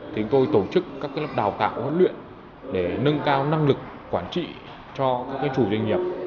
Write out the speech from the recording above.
thì tôi tổ chức các cái lớp đào tạo huấn luyện để nâng cao năng lực quản trị cho các cái chủ doanh nghiệp